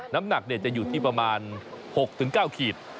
น้ำหนักจะอยู่ที่ประมาณ๖๙ขีด